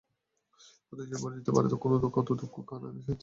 হয়তো সে বুঝিতেও পারিত কত দুঃখে কানা সেনদিদির কাছে গোপাল আজ সাস্তুনা খুঁজিয়া মরে।